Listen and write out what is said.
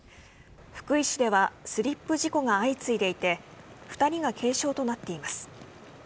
福井市ではスリップ事故が相次いでいて２人が軽傷となっています。